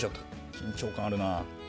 緊張感あるなあ。